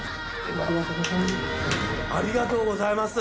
ありがとうございます。